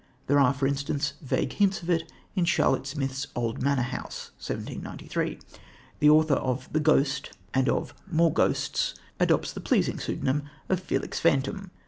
There are, for instance, vague hints of it in Charlotte Smith's Old Manor House (1793). The author of The Ghost and of More Ghosts adopts the pleasing pseudonym of Felix Phantom.